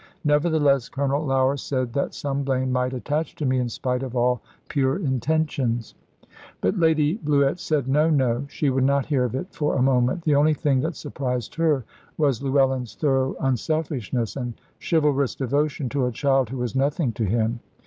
Nevertheless Colonel Lougher said that some blame might attach to me in spite of all pure intentions. But Lady Bluett said no, no. She would not hear of it for a moment. The only thing that surprised her was Llewellyn's thorough unselfishness, and chivalrous devotion to a child who was nothing to him.